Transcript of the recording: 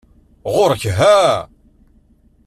Ɣuṛ-k ha!